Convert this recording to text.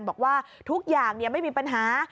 บอกว่าทุกอย่างไม่มีปัญหา